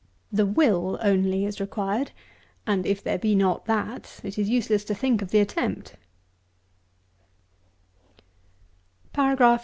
The will only is required; and, if there be not that, it is useless to think of the attempt.